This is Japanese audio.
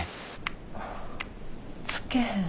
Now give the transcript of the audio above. つけへん。